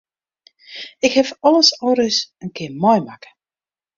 Ik haw alles al ris in kear meimakke.